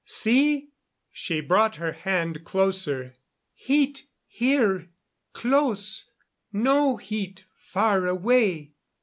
See?" She brought her hand closer. "Heat here close no heat far away."